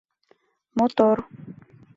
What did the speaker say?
Мотор!